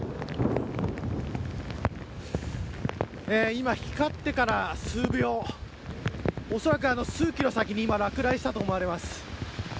今、光ってから数秒おそらく数キロ先に、今落雷したと思われます。